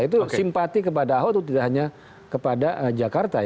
itu simpati kepada ahok itu tidak hanya kepada jakarta